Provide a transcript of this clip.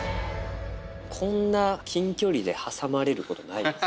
こんな近距離で挟まれることないです。